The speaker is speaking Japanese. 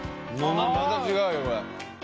また違うよこれ。